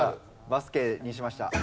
バスケにしました。